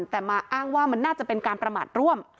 แต่มาอ้างว่ามันน่าจะเป็นการประมาทร่วม